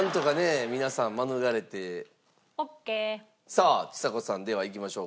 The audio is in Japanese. さあちさ子さんではいきましょうか。